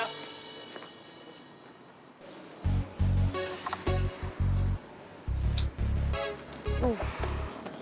sampai jumpa ya